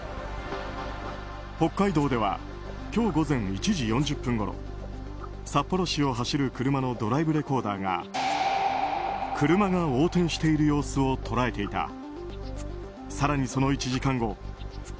北海道では今日午前１時４０分ごろ札幌市を走る車のドライブレコーダーが車が横転している様子を捉えていた。